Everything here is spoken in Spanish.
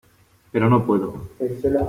pero no puedo.